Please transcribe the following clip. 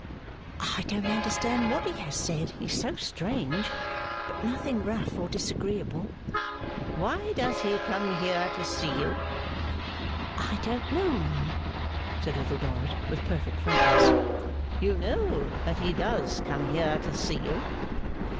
'I don't understand what he has said, he is so strange. But nothing rough or disagreeable.' 'Why does he come here to see you?' 'I don't know, ma'am,' said Little Dorrit, with perfect frankness. 'You know that he does come here to see you?